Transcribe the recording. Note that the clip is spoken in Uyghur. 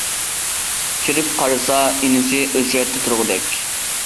كىرىپ قارىسا، ئىنىسى ئۆچرەتتە تۇرغۇدەك.